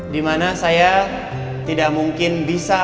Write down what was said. dimana saya tidak mungkin bisa